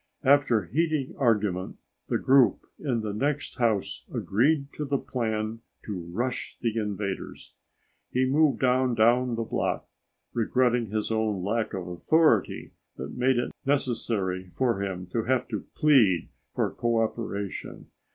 After heated argument, the group in the next house agreed to the plan to rush the invaders. He moved on down the block, regretting his own lack of authority that made it necessary for him to have to plead for co operation.